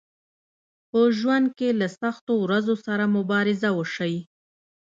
په ژوند کې له سختو ورځو سره مبارزه وشئ